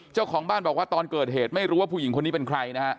เจ้าของบ้านบอกว่าตอนเกิดเหตุไม่รู้ว่าผู้หญิงคนนี้เป็นใครนะฮะ